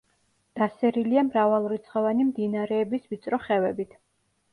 დასერილია მრავალრიცხოვანი მდინარეების ვიწრო ხევებით.